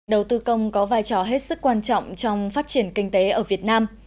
đầu tư công có vai trò hết sức quan trọng trong phát triển kinh tế ở việt nam